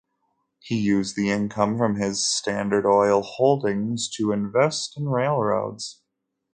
He used the income from his Standard Oil holdings to invest in railroads.